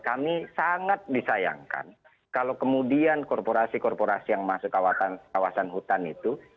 kami sangat disayangkan kalau kemudian korporasi korporasi yang masuk kawasan hutan itu